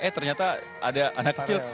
eh ternyata ada anak kecil